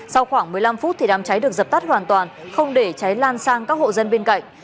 sau khoảng một mươi năm phút đám cháy được dập tắt hoàn toàn không để cháy lan sang các hộ dân bên cạnh